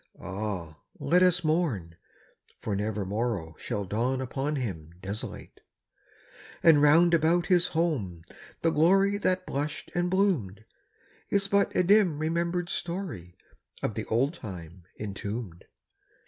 (Ah, let us mourn! for never morrow Shall dawn upon him desolate !) And round about his home the glory That blushed and bloomed, Is but a dim remembered story Of the old time entombed.